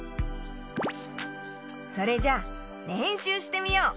それじゃれんしゅうしてみよう。